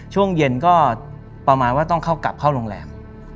ช่วงเย็นก็ประมาณว่าต้องเข้ากลับเข้าโรงแรม